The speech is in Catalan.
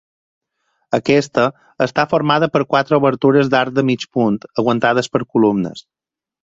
Aquesta està formada per quatre obertures d'arc de mig punt aguantades per columnes.